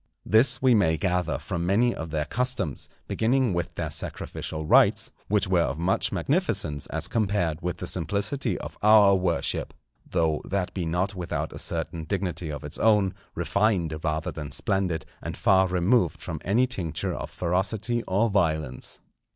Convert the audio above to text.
This we may gather from many of their customs, beginning with their sacrificial rites, which were of much magnificence as compared with the simplicity of our worship, though that be not without a certain dignity of its own, refined rather than splendid, and far removed from any tincture of ferocity or violence.